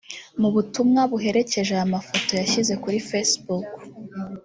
Mu butumwa buherekeje aya mafoto yashyize kuri Facebook